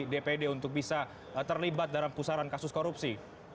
dpd untuk bisa terlibat dalam pusaran kasus korupsi